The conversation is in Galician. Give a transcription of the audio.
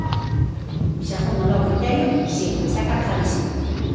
Segundo o meu criterio, si, está cargadísimo.